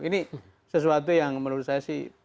ini sesuatu yang menurut saya sih